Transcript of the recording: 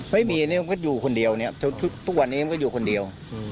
ไม่มีอยู่คนเดียวทุกวันเขาก็อยู่คนเดียว